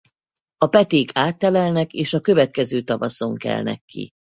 A peték áttelelnek és a következő tavaszon kelnek ki.